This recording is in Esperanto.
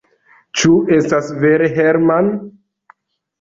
Ĉu estas vere, Herman?